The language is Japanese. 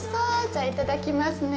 じゃあ、いただきますね。